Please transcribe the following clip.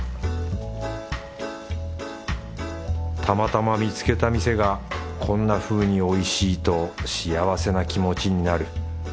たまたま見つけた店がこんなふうにおいしいと幸せな気持ちになる。